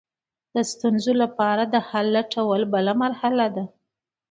د ستونزې لپاره د حل لټول بله مرحله ده.